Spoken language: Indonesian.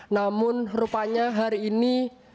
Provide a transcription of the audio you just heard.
namun rupanya hari ini